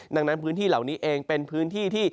ดังนั้นพื้นที่เหล่านี้เองเป็นพื้นที่ที่